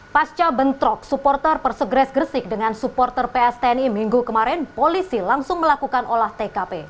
pasca bentrok supporter persegres gresik dengan supporter pstni minggu kemarin polisi langsung melakukan olah tkp